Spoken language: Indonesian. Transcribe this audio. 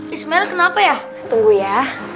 ismail kenapa ya tunggu ya